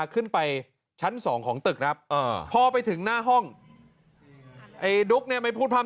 ขึ้นไปชั้นสองของตึกครับพอไปถึงหน้าห้องไอ้ดุ๊กเนี่ยไม่พูดพร่ำ